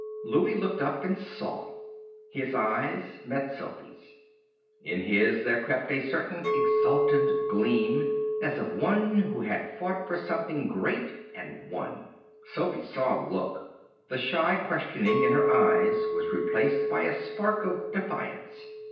Louie looked up and saw. His eyes met Sophy's. In his there crept a certain exultant gleam, as of one who had fought for something great and won. Sophy saw the look. The shy questioning in her eyes was replaced by a spark of defiance.